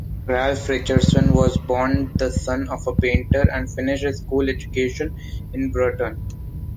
Ralph Richardson was born the son of a painter and finished his school education in Brighton.